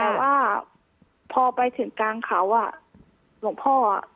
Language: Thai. แต่ว่าพอไปถึงกลางเขาอ่ะหลวงพ่ออ่ะ